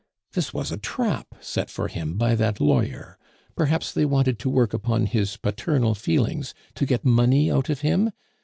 This was a trap set for him by that lawyer; perhaps they wanted to work upon his paternal feelings, to get money out of him?